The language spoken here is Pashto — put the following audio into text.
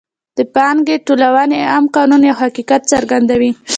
د پانګې ټولونې عام قانون یو حقیقت څرګندوي